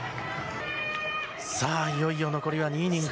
さあ、いよいよ残りは２イニング。